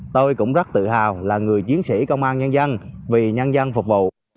tôi cũng rất tự hào là người chiến sĩ công an nhân dân vì nhân dân phục vụ